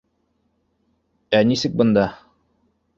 Ә нисек бында?